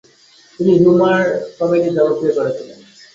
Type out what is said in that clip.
তিনি humour comedy জনপ্রিয় করে তোলেন।